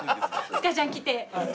スカジャン着て。